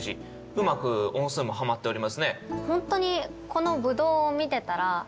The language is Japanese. うまく音数もハマっておりますね。